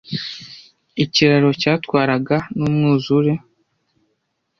Ikiraro cyatwarwaga numwuzure.